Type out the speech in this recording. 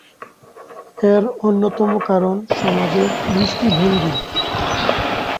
এর অন্যতম কারণ সমাজের দৃষ্টিভঙ্গী।